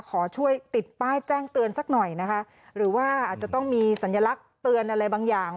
ขอช่วยติดป้ายแจ้งเตือนสักหน่อยนะคะหรือว่าอาจจะต้องมีสัญลักษณ์เตือนอะไรบางอย่าง